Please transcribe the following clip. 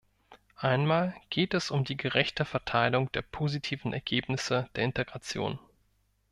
Einmal geht es um die gerechte Verteilung der positiven Ergebnisse der Integration.